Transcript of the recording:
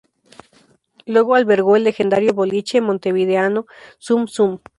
Luego albergó el legendario boliche montevideano Zum Zum.